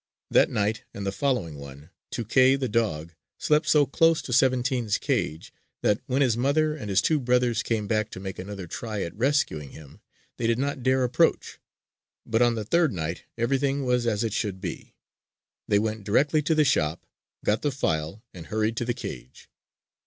That night and the following one, Tuké, the dog, slept so close to "Seventeen's" cage that when his mother and his two brothers came back to make another try at rescuing him, they did not dare approach. But on the third night everything was as it should be. They went directly to the shop, got the file, and hurried to the cage.